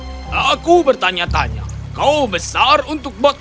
saya bertanya tanya kalau kau besar jebur butter letterty